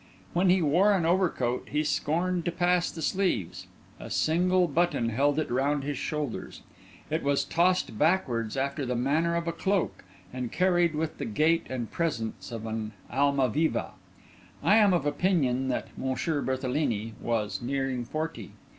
When he wore an overcoat he scorned to pass the sleeves; a single button held it round his shoulders; it was tossed backwards after the manner of a cloak, and carried with the gait and presence of an Almaviva. I am of opinion that M. Berthelini was nearing forty.